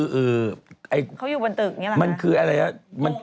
เขาอยู่บนตึกนี่หรอครับมันคืออะไรนะ